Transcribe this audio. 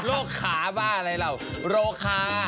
โรคขาบ้าอะไรเราโรคา